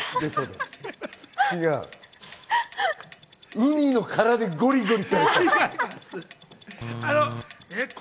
ウニの殻でゴリゴリ。